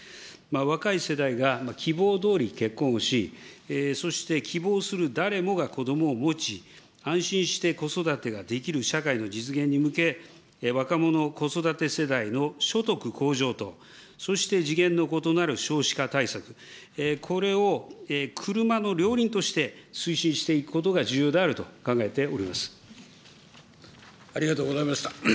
若い世代が希望どおり結婚をし、そして希望する誰もが子どもを持ち、安心して子育てができる社会の実現に向け、若者子育て世代の所得向上と、そして次元の異なる少子化対策、これを車の両輪として推進していくことが重要であると考えておりありがとうございました。